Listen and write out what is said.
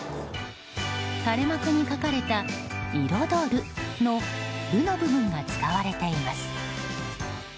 垂れ幕に書かれた「彩る」の「る」の部分が使われています。